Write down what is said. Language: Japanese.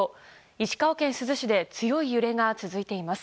石川県珠洲市で強い揺れが続いています。